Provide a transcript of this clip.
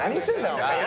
お前。